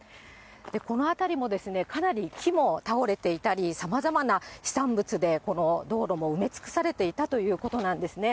この辺りもかなり木も倒れていたり、さまざまな飛散物でこの道路も埋め尽くされていたということなんですね。